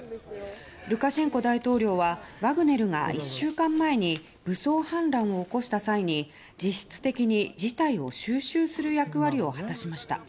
ルカシェンコ大統領はワグネルが１週間前に武装反乱を起こした際に実質的に事態を収拾する役割を果たしました。